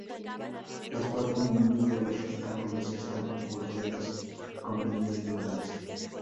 Las cuatro uniones de los rectángulos están bordeadas con líneas doradas.